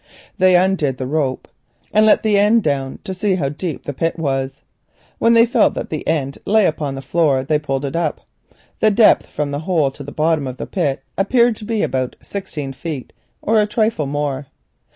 They undid the rope and let the end down to see how deep the pit was. When they felt that the end lay upon the floor they pulled it up. The depth from the hole to the bottom of the pit appeared to be about sixteen feet or a trifle more.